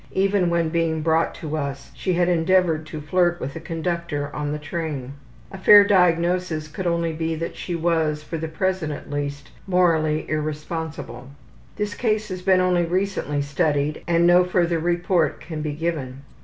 Even when being brought to us she had endeavored to flirt with a conductor on the train. A fair diagnosis could only be that she was, for the present at least, morally irresponsible. This case has been only recently studied and no further report can be given.